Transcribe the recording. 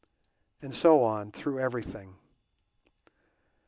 And so on, through everything.